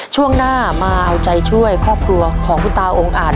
ช่วงหน้ามาเอาใจช่วยครอบครัวของคุณตาองค์อาจ